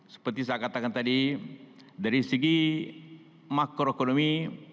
seperti saya katakan tadi dari segi makroekonomi